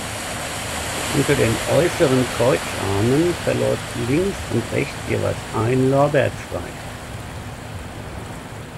Unter den äußeren Kreuzarmen verläuft links und rechts jeweils ein Lorbeerzweig.